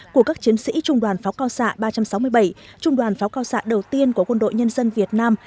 của các chiến sĩ trung đoàn pháo cao xạ ba trăm sáu mươi bảy trung đoàn pháo cao xạ đầu tiên của quân đội nhân dân việt nam